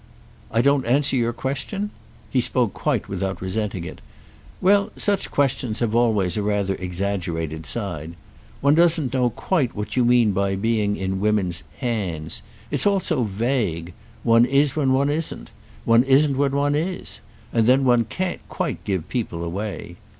"I don't answer your question?" He spoke quite without resenting it. "Well, such questions have always a rather exaggerated side. One doesn't know quite what you mean by being in women's 'hands.' It's all so vague. One is when one isn't. One isn't when one is. And then one can't quite give people away."